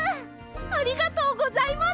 ありがとうございます！